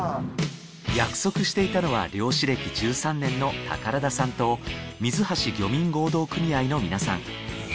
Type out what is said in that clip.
約束していたのは漁師歴１３年の宝田さんと水橋漁民合同組合の皆さん。